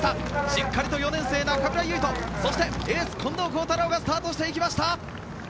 しっかりと４年生、中村唯翔そしてエース、近藤幸太郎がスタートしていきました。